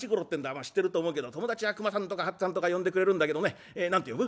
まあ知ってると思うけど友達は熊さんとか八っつぁんとか呼んでくれるんだけどね何て呼ぶ？